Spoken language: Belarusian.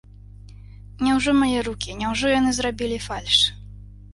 Няўжо мае рукі, няўжо яны зрабілі фальш?